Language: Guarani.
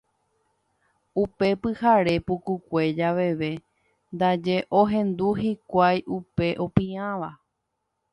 Upe pyhare pukukue javeve ndaje ohendu hikuái upe opiãva.